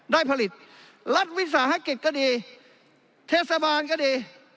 ได้ผลิตรัฐวิสาหกิจก็ดีเทศบาลก็ดี